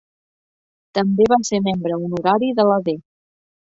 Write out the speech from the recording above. També va ser membre honorari de la D.